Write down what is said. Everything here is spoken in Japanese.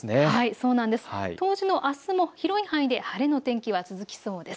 冬至のあすも広い範囲で晴れの天気は続きそうです。